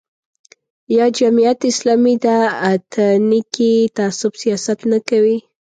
یا جمعیت اسلامي د اتنیکي تعصب سیاست نه کوي.